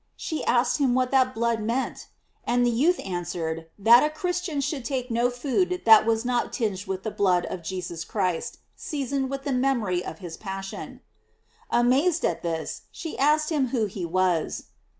She asked him what that blood meant? And the youth answered, that a Christian should take no food that was not tinged with the blood of Jesus Christ, seasoned with the memory of his passion. Amazed at this, she asked him who he was.